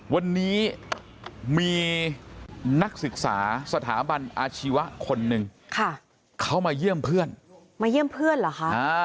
วันนี้มีนักศึกษาสถาบันอาชีวะคนหนึ่งเขามาเยี่ยมเพื่อนมาเยี่ยมเพื่อนเหรอคะ